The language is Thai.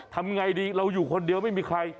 ทำไงดีเราอยู่คนเดียวไม่มีใคร